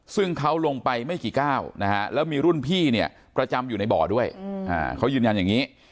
ซึ่งเขาลงไปไม่กี่ก้าวนะฮะแล้วมีรุ่นพี่เนี่ยประจำอยู่ในบ่อด้วยเขายืนยันอย่างนี้